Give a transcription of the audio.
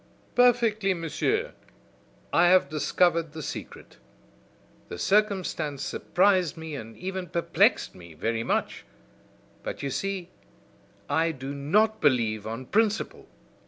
"Perfectly, monsieur. I have discovered the secret. The circumstance surprised me and even perplexed me very much; but you see, I do not believe on principle.